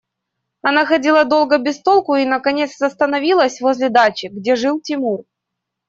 Она ходила долго без толку и наконец остановилась возле дачи, где жил Тимур.